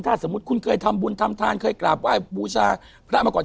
ถ้าสมมุติคุณเคยทำบุญทำทานเคยกราบไหว้บูชาพระมาก่อน